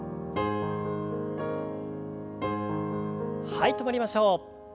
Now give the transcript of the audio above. はい止まりましょう。